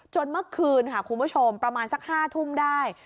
เมื่อคืนค่ะคุณผู้ชมประมาณสัก๕ทุ่มได้